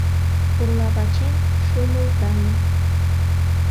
Пурла вачем шумылдале.